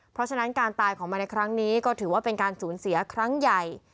เพราะฉะนั้นการตายของมันในครั้งนี้ก็ถือว่าเป็นการสูญเสียครั้งใหญ่